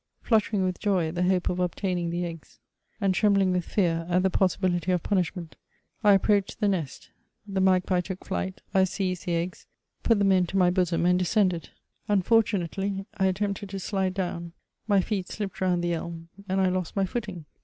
Fluttering with joy at the hope of obtaining the eggs, and trembling with fear at the* possibility of punishment, I approached the nest, the magpie took flight, I seized the eggs, put then into my bosom, and de scended. Unfortunately, I attempted to slide down, my feet slipped round the elm, and I lost my footing.